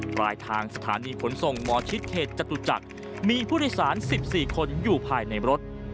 ปลายทางสถานีขนส่งหมอชิดเขตจตุจักรมีผู้โดยสาร๑๔คนอยู่ภายในรถ